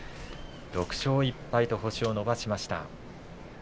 ６勝１敗と星を伸ばしました。